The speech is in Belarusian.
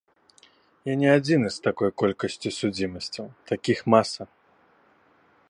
Я не адзіны з такой колькасцю судзімасцяў, такіх маса.